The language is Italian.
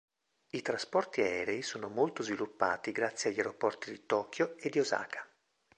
I trasporti aerei sono molto sviluppati grazie agli aeroporti di Tokyo e di Osaka.